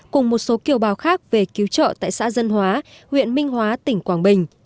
cùng một số kiều bào khác về cứu trợ tại xã dân hóa huyện minh hóa tỉnh quảng bình